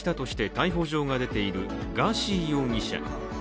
逮捕状が出ている、ガーシー容疑者。